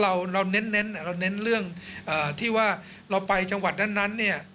แล้วเราเน้นเรื่องที่ว่าเราไปจังหวัดนั้น